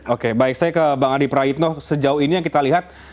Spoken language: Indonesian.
oke baik saya ke bang adi praitno sejauh ini yang kita lihat